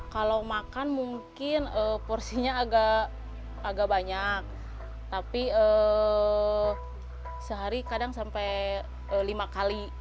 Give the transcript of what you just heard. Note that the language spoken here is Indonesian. kalau makan mungkin porsinya agak banyak tapi sehari kadang sampai lima kali